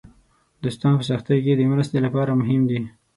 دوستان په سختیو کې د مرستې لپاره مهم دي.